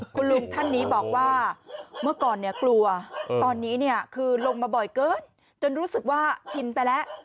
คุณลุงท่านนี้บอกว่าเมื่อก่อนเนี่ยกลัวตอนนี้เนี่ยคือลงมาบ่อยเกินจนรู้สึกว่าชินไปแล้ว